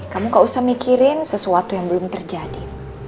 kamu gak usah mikirin sesuatu yang belum terjadi